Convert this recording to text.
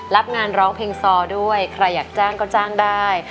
รับงานร้องเพลงซอด้วยใครอยากจ้างก็จ้างได้